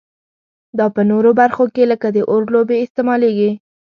دا په نورو برخو کې لکه د اور لوبې استعمالیږي.